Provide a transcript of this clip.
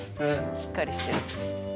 しっかりしてる。